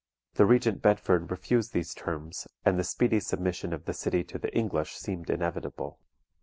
The Regent Bedford refused these terms, and the speedy submission of the city to the English seemed inevitable.